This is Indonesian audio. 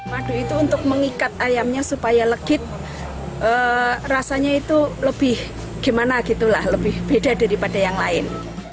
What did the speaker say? madu itu untuk mengikat ayamnya supaya legit rasanya itu lebih gimana gitu lah lebih beda daripada yang lain